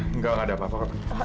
enggak nggak ada apa apa